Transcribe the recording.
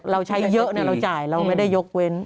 เราใช้เยอะเราจ่ายเราไม่ได้ยกเว้น